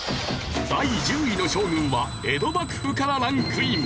第１０位の将軍は江戸幕府からランクイン。